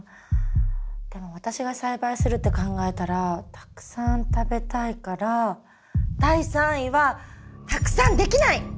でも私が栽培するって考えたらたくさん食べたいから第３位は「たくさんできない」！